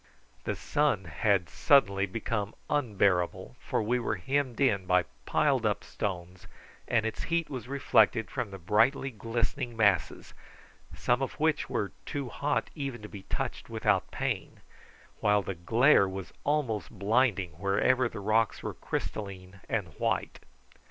The sun had suddenly become unbearable, for we were hemmed in by piled up stones, and its heat was reflected from the brightly glistening masses, some of which were too hot even to be touched without pain, while the glare was almost blinding wherever the rocks were crystalline and white.